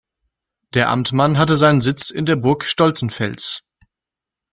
Der Amtmann hatte seinen Sitz in der Burg Stolzenfels.